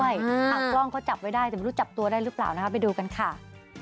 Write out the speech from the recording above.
เอากล้องเขาจับไว้ได้แต่ไม่รู้จับตัวได้หรือเปล่านะคะไปดูกันค่ะ